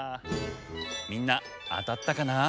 みんなあたったかな？